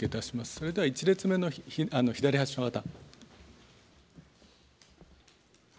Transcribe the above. それでは１列目の左端の方。